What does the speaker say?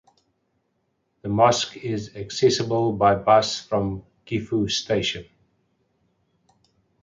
The mosque is accessible by bus from Gifu Station.